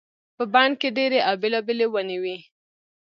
په بڼ کې ډېرې او بېلابېلې ونې وي.